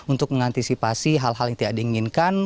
untuk mengantisipasi hal hal yang tidak diinginkan